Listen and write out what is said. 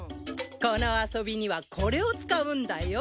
この遊びにはこれを使うんだよ。